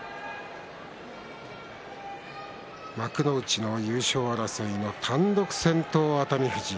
幕内の優勝争いの単独先頭の熱海富士。